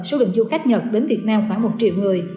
số lượng du khách nhật đến việt nam khoảng một triệu người